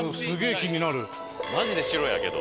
マジで城やけど。